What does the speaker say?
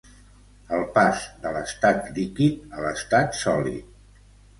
El pas de l'estat líquid a l'estat sòlid.